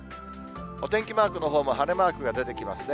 お天気マークのほうも晴れマークが出てきますね。